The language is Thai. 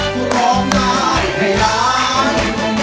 ก็ร้องได้ให้ร้าน